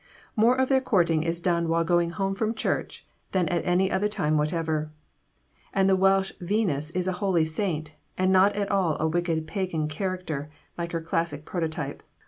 More of their courting is done while going home from church than at any other time whatever; and the Welsh Venus is a holy saint, and not at all a wicked Pagan character like her classic prototype.